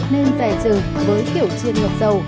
nên rè trừng với kiểu chiên ngược dầu